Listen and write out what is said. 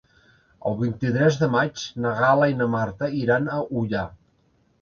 El vint-i-tres de maig na Gal·la i na Marta iran a Ullà.